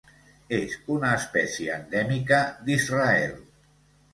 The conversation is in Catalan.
És una espècie endèmica d'Israel.